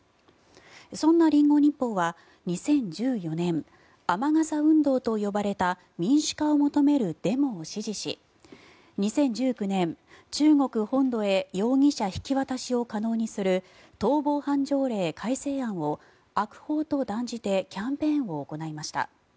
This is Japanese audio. そんなリンゴ日報は２０１４年雨傘運動と呼ばれた民主化を求めるデモを支持し２０１９年、中国本土へ容疑者引き渡しを可能にする逃亡犯条例改正案を悪法と断じてキャンペーンを行いました。